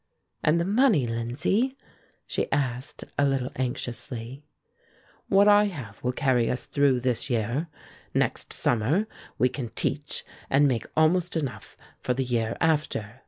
"And the money, Lindsay?" she asked, a little anxiously. "What I have will carry us through this year. Next summer we can teach and make almost enough for the year after.